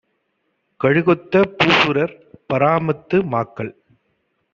கழுகொத்த பூசுரர், பரமாத்து மாக்கள்